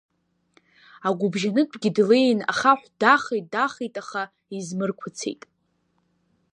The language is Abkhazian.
Агәыбжьанытәгьы длеин ахаҳә дахеит, дахеит, аха измырқәацеит.